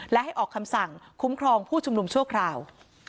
และให้ออกคำสั่งคุ้มครองผู้ชุมนุมชั่วคราว